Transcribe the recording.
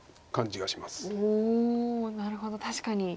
おおなるほど確かに。